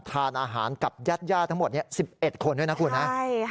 ทานอาหารกับยัดย่าทั้งหมดนี้๑๑คนด้วยนะครับ